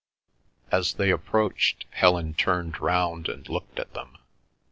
As they approached, Helen turned round and looked at them.